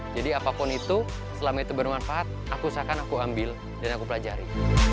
jadi apapun itu selama itu bermanfaat aku usahakan aku ambil dan aku pelajari